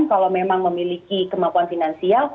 kalau memang memiliki kemampuan finansial